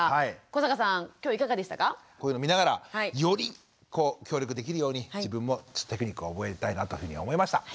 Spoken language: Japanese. こういうのを見ながらより協力できるように自分もテクニックを覚えたいなというふうに思いました。